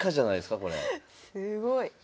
すごい。